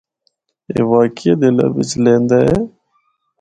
اے واقعی دلّا بچ لِہندے اے۔